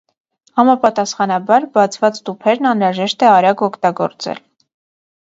Համապատասխանաբար, բացված տուփերն անհրաժեշտ է արագ օգտագործել։